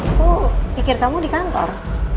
aku pikir kamu di kantor